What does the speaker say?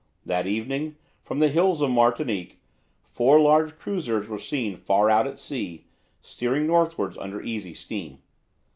That evening, from the hills of Martinique, four large cruisers were seen far out at sea, steering northwards, under easy steam.